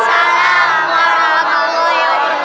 waalaikumsalam warahmatullahi wabarakatuh